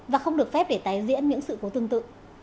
và không được phép để tái diễn những sự cố tương tự